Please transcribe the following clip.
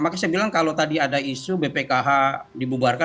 makanya saya bilang kalau tadi ada isu bpkh dibubarkan